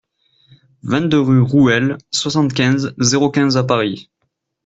vingt-deux rue Rouelle, soixante-quinze, zéro quinze à Paris